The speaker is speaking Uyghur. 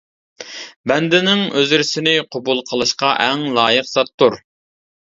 بەندىنىڭ ئۆزرىسىنى قوبۇل قىلىشقا ئەڭ لايىق زاتتۇر.